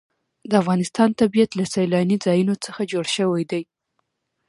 د افغانستان طبیعت له سیلاني ځایونو څخه جوړ شوی دی.